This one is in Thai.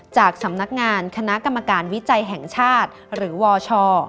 จากสำนักงานคณะกรรมการวิจัยแห่งชาติหรือวช